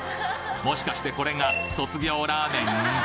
もしかしてこれが卒業ラーメン？